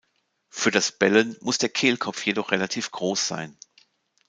Für das Bellen muss der Kehlkopf jedoch relativ groß sein.